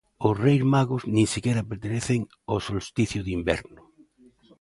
E os Reis Magos nin sequera pertencen ao solsticio de inverno.